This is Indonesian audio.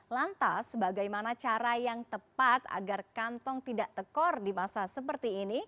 lantas bagaimana cara yang tepat agar kantong tidak tekor di masa seperti ini